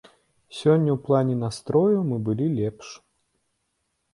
Сёння ў плане настрою мы былі лепш.